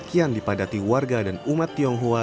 kian dipadati warga dan umat tionghoa